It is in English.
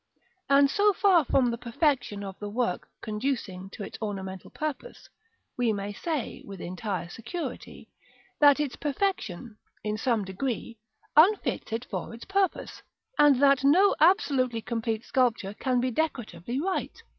And so far from the perfection of the work conducing to its ornamental purpose, we may say, with entire security, that its perfection, in some degree, unfits it for its purpose, and that no absolutely complete sculpture can be decoratively right.